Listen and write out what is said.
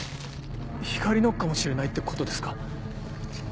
光莉のかもしれないってことですか？